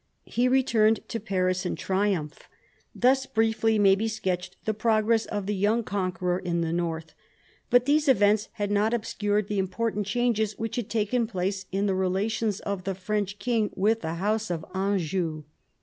He returned to Paris in triumph. Thus briefly may be sketched the progress of the young con queror in the north. But these events had not obscured the important changes which had taken place in the relations of the French king with the house of Anjou.